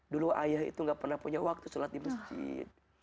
dulu ayah itu gak pernah punya waktu sholat di masjid